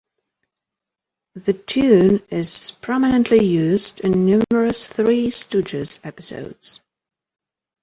The tune is prominently used in numerous Three Stooges episodes.